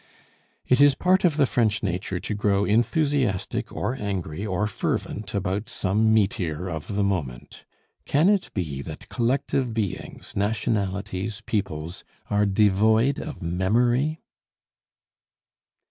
It is part of the French nature to grow enthusiastic, or angry, or fervent about some meteor of the moment. Can it be that collective beings, nationalities, peoples, are devoid of memory?